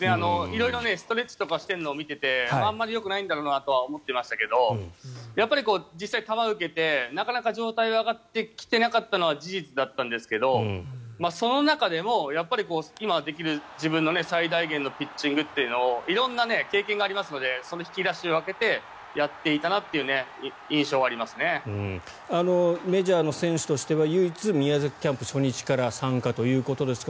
色々ストレッチをしてるのとかを見てあまりよくないんだろうなとは思ってましたけどやっぱり実際に球を受けてなかなか状態が上がってきていなかったのは事実だったんですけどその中でも今、できる自分の最大限のピッチングというのを色んな経験がありますのでその引き出しを開けてやっていたなというメジャーの選手としては唯一、宮崎キャンプ初日から参加ということですが